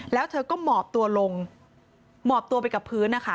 แล้วเธอก็หมอบตัวลงหมอบตัวไปกับพื้นนะคะ